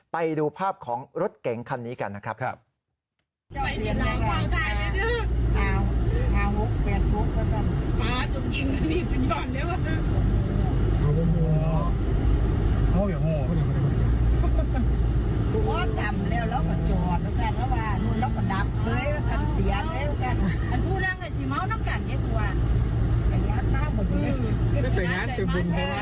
ไปดูภาพของรถเก๋งคันนี้กันนะครับ